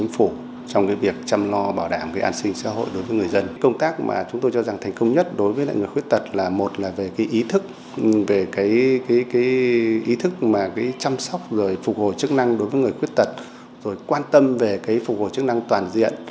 phục hồi chức năng đối với người khuyết tật quan tâm về phục hồi chức năng toàn diện